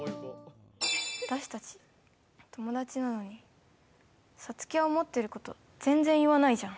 私たち、友達なのにサツキは思ってること全然言わないじゃん。